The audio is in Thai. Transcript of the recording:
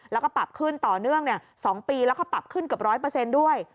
แล้วก็ปรับขึ้นต่อเนื่อง๒ปีแล้วก็ปรับขึ้นเกือบ๑๐๐ด้วย